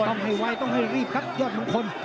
ต้องให้ไวต้องให้รีบครับยอดมงคล